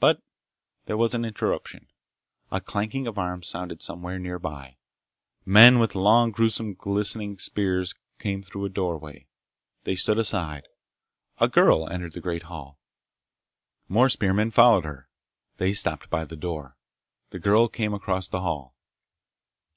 But there was an interruption. A clanking of arms sounded somewhere nearby. Men with long, gruesome, glittering spears came through a doorway. They stood aside. A girl entered the great hall. More spearmen followed her. They stopped by the door. The girl came across the hall.